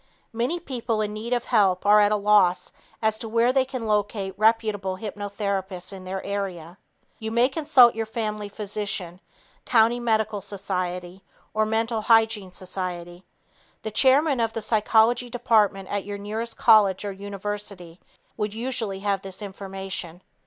Many people in need of help are at a loss as to where they can locate reputable hypnotherapists in their area. You may consult your family physician, county medical society or mental hygiene society. The chairman of the psychology department at your nearest college or university would usually have this information.